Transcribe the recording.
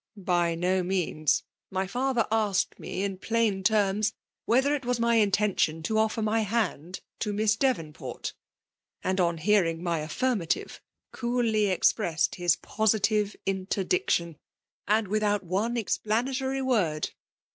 *' By no means. My &ther asked me ia plain teims whether it was my intentioii to oi&r my hand to Miss Bevonport; and oa hearing my affirmative, eoolly expressed Us FEMALE DOMUiATlCK* 183 positive interdiction^ and without one expla natory word.